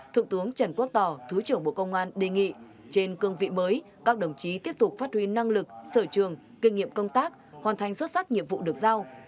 thượng tướng trần quốc tỏ thứ trưởng bộ công an đề nghị trên cương vị mới các đồng chí tiếp tục phát huy năng lực sở trường kinh nghiệm công tác hoàn thành xuất sắc nhiệm vụ được giao